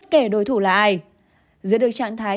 kể đối thủ là ai giữa được trạng thái